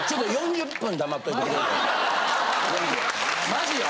・マジよ・